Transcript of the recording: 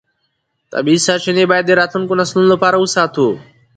طبیعي سرچینې باید د راتلونکو نسلونو لپاره وساتو